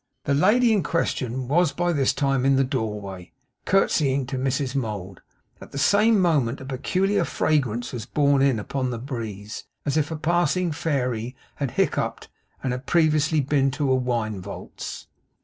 The lady in question was by this time in the doorway, curtseying to Mrs Mould. At the same moment a peculiar fragrance was borne upon the breeze, as if a passing fairy had hiccoughed, and had previously been to a wine vaults.